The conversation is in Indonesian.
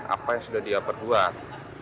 apa yang sudah dia perbuat